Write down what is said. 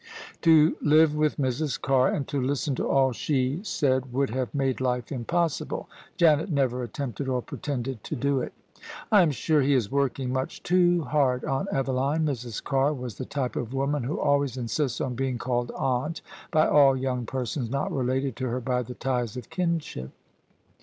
To live with Mrs. Carr and to listen to all she said would [ 157 ] tHE SUBJECTION have made life impossible. Janet never attempted or pre tended to do it. " I am sure he is working much too hard, Aunt Eveline." Mrs. Carr was the type of woman who always insists on being called Aunt by all young persons not related to her by the ties of kinship.